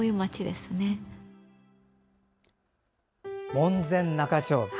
門前仲町。